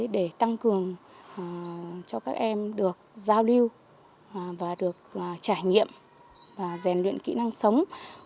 để tăng cường cho các em được giao lưu và được trải nghiệm và rèn luyện kỹ năng sống